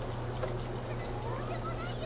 ななんでもないよ